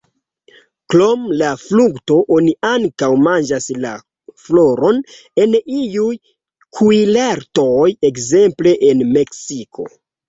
Krom la frukto, oni ankaŭ manĝas la floron en iuj kuirartoj, ekzemple en Meksiko.